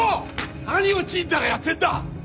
何をちんたらやってんだ